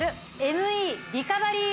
ＭＥリカバリー